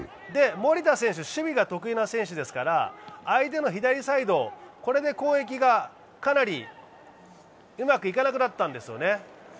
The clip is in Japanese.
守田選手、守備が得意な選手ですから、相手の左サイド、これで攻撃がかなりうまくいかなくなったんですよね。